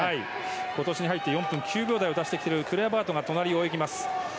今年に入って４分９秒台を出しているクレアバートが隣にいます。